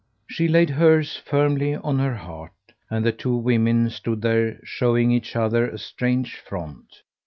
She laid hers firmly on her heart, and the two women stood there showing each other a strange front.